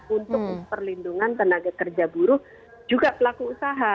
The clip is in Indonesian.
untuk perlindungan tenaga kerja buruh juga pelaku usaha